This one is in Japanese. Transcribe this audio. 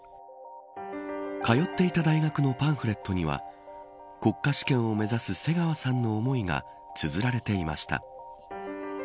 通っていた大学のパンフレットには国家試験を目指す瀬川さんの思いがつづられていました。